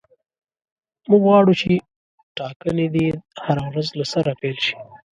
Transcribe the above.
موږ غواړو چې ټاکنې دې هره ورځ له سره پیل شي.